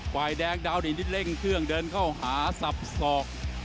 ฝ่ายแดงดาวดินนี่เร่งเครื่องเดินเข้าหาสับสอก